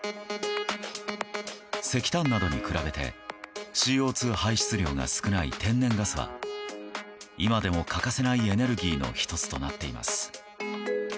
石炭などに比べてＣＯ２排出量が少ない天然ガスは今でも欠かせないエネルギーの１つとなっています。